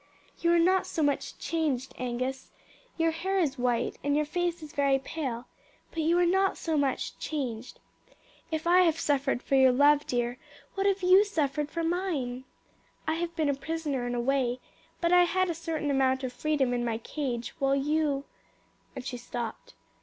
"You are not so much changed, Angus. Your hair is white and your face is very pale; but you are not so much changed. If I have suffered for your love, dear, what have you suffered for mine! I have been a prisoner in a way, but I had a certain amount of freedom in my cage, while you " And she stopped.